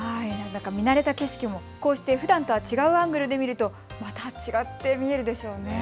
見慣れた景色もこうしてふだんとは違うアングルで見るとまた違って見えるでしょうね。